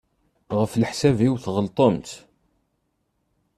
Ɣef leḥsab-iw tɣelṭemt.